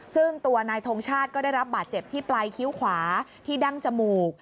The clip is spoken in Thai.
ซึ่งตัวนายทงชาติก็ได้รับบาดเจ็บที่ปลายคิ้วขวาที่ดั้งจมูก